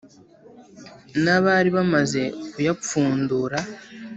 N'abari bamaze kuyapfundura